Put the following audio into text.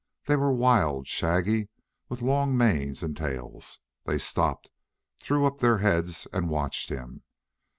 They were wild, shaggy, with long manes and tails. They stopped, threw up their heads, and watched him.